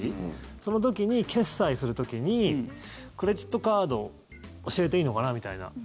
その時に決済する時にクレジットカードを教えていいのかなみたいな。